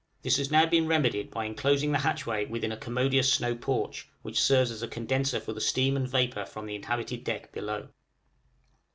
This has now been remedied by enclosing the hatchway within a commodious snow porch, which serves as a condenser for the steam and vapor from the inhabited deck below.